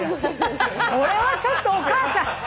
それはちょっとお母さん。